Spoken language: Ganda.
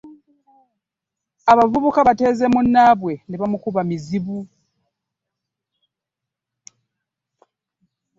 Abavubuka bateeze munnaabwe ne bamukuba mizibu.